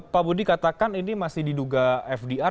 pak budi katakan ini masih diduga fdr